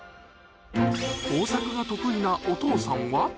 工作が得意なお父さんは。